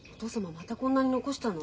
またこんなに残したの？